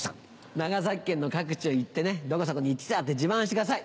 長崎県の各地を言ってねどこそこに行って来た！って自慢してください。